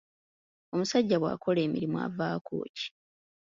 Omusajja bw'akola emirimu avaako ki?